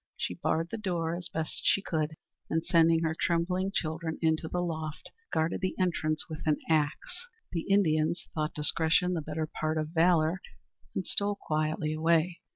She barred the door as best she could, and sending her trembling children into the loft, guarded the entrance with an axe. The Indians thought discretion the better part of valor, and stole quietly away.